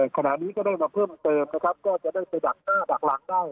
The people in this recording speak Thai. ขณะนี้ก็ได้มาเพิ่มเติมนะครับก็จะได้ไปดักหน้าดักหลังได้